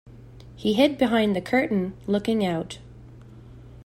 He hid behind the curtain, looking out.